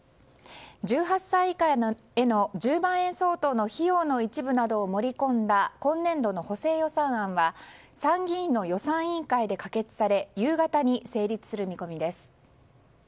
１８歳以下への１０万円相当の費用の一部などを盛り込んだ今年度の補正予算案は参議院の予算委員会で可決され夕方に成立する見込みです。